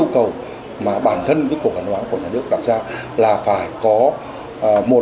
cụ thể là lọc phim